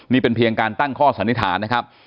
นี่เป็นเพียงการตั้งข้อสันนิษฐานนะครับ